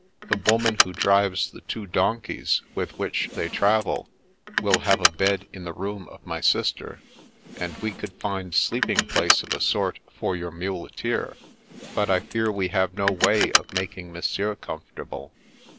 The wo man who drives the two donkeys with which they travel, will have a bed in the room of my sister, and we could find sleeping place of a sort for your mule teer ; but I fear we have no way of making Monsieur comfortable."